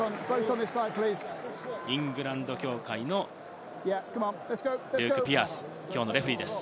イングランド協会のルーク・ピアース、きょうのレフェリーです。